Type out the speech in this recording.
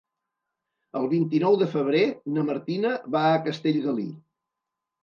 El vint-i-nou de febrer na Martina va a Castellgalí.